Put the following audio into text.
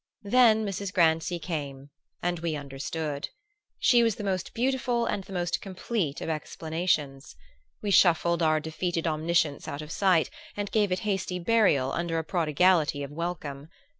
Then Mrs. Grancy came and we understood. She was the most beautiful and the most complete of explanations. We shuffled our defeated omniscience out of sight and gave it hasty burial under a prodigality of welcome.